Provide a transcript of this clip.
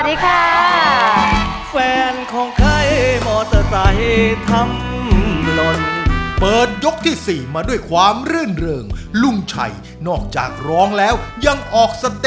ทุกคนคิดเท่าไรต้องมาเอาใจช่วยกันครับ